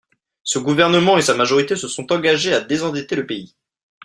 Ce gouvernement et sa majorité se sont engagés à désendetter le pays.